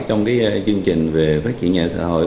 trong chương trình về phát triển nhà xã hội